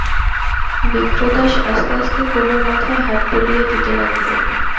বিপ্রদাস আস্তে আস্তে কুমুর মাথায় হাত বুলিয়ে দিতে লাগল।